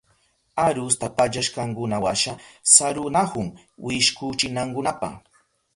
Arusta pallashkankunawasha sarunahun wishkuchinankunapa.